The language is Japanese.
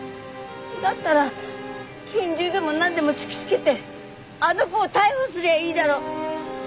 だったら拳銃でもなんでも突きつけてあの子を逮捕すりゃいいだろ！